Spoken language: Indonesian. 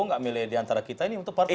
oh nggak milih diantara kita ini untuk partai